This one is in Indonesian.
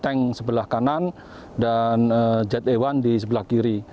tank sebelah kanan dan jet e satu di sebelah kiri